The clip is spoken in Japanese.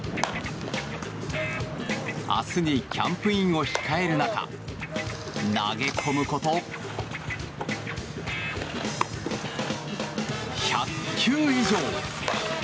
明日にキャンプインを控える中投げ込むこと１００球以上。